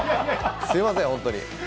すみません、本当に。